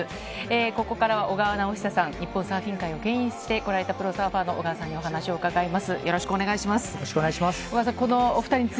ここからは小川直久さん、日本サーフィン界をけん引してこられたプロサーファーの小川さんにお話を伺います。